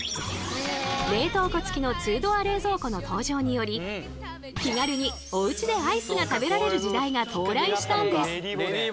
冷凍庫つきの２ドア冷蔵庫の登場により気軽におうちでアイスが食べられる時代が到来したんです！